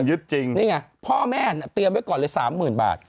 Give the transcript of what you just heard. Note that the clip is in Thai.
นี่ไงพ่อแม่เตรียมไว้ก่อนเลย๓๐๐๐๐บาท